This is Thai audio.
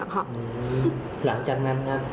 หลังจากนั้นนะ